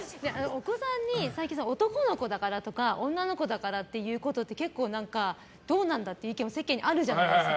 お子さんに男の子だからとか女の子だからって言うことって結構、どうなんだっていう意見も世間にあるじゃないですか。